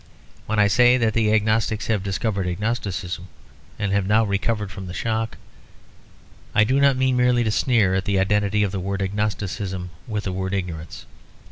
When I say that the agnostics have discovered agnosticism, and have now recovered from the shock, I do not mean merely to sneer at the identity of the word agnosticism with the word ignorance.